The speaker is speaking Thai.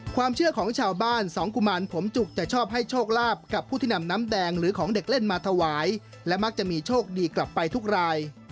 ความเชื่อของชาวบ้านสองกุมารผมจุกจะชอบให้โชคลาภกับผู้ที่นำน้ำแดงหรือของเด็กเล่นมาถวายและมักจะมีโชคดีกลับไปทุกราย